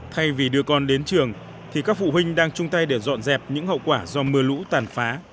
thay vì đưa con đến trường thì các phụ huynh đang chung tay để dọn dẹp những hậu quả do mưa lũ tàn phá